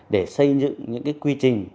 để xây dựng những quy trình